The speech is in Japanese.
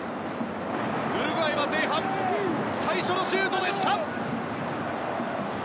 ウルグアイは前半最初のシュートでした。